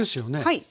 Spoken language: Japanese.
はい。